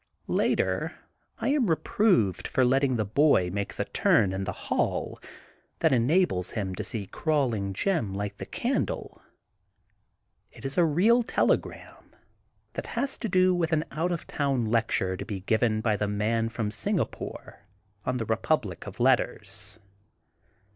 Later I am reproved for letting the boy make the turn in the hall that enables him to see Crawling Jim light the candle. It is a real telegram, that has to do with an out of town lecture to be given by the Man from Singapore, on The Republic of Letters.